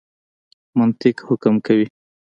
منطق حکم کوي.